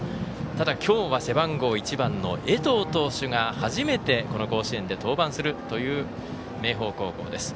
ただ、今日は背番号１番の江藤投手が初めてこの甲子園で登板するという明豊高校です。